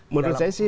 menurut saya sih